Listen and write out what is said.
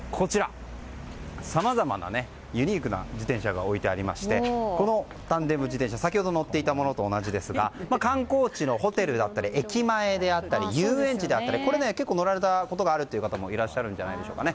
さまざまなユニークな自転車が置いてありましてこのタンデム自転車、先ほど乗っていたものと同じですが観光地のホテルや駅前だったり遊園地だったり乗られたことがあるという方もいらっしゃるんじゃないでしょうか。